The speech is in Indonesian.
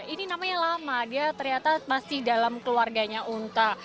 ini namanya lama dia ternyata masih dalam keluarganya unta